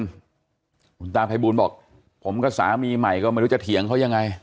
คุณตาภัยบูลบอกผมกับสามีใหม่ก็ไม่รู้จะเถียงเขายังไง